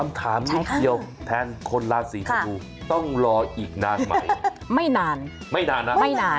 คำถามเงียบแทนคนลาศีทณูต้องรออีกนานไหม